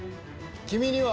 君には